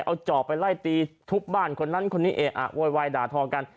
เอาจอบไปไล่ตีทุบบ้านคนนั้นคนนี้เอะอะโวยวายด่าทอกัน